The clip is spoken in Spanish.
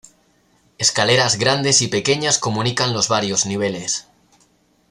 Escaleras grandes y pequeñas comunican los varios niveles.